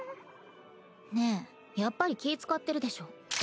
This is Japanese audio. ねえやっぱり気遣ってるでしょ？